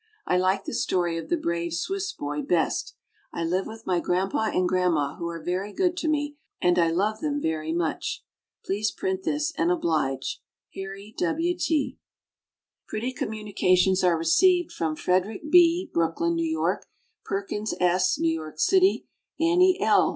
I like the story of "The Brave Swiss Boy" best. I live with my grandpa and grandma, who are very good to me, and I love them very much. Please print this, and oblige HARRY W. T. Pretty communications are received from Frederick B., Brooklyn, New York; Perkins S., New York city; Annie L.